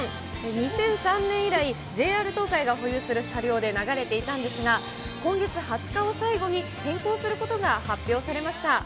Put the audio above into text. ２００３年以来、ＪＲ東海が保有する車両で流れていたんですが、今月２０日を最後に変更することが発表されました。